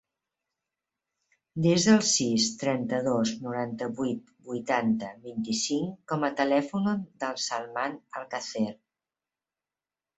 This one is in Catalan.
Desa el sis, trenta-dos, noranta-vuit, vuitanta, vint-i-cinc com a telèfon del Salman Alcacer.